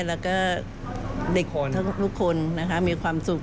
แล้วก็เด็กของทุกคนนะคะมีความสุข